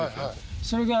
それが。